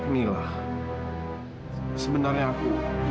mila sebenarnya aku